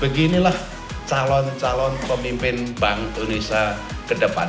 beginilah calon calon pemimpin bank indonesia kedepan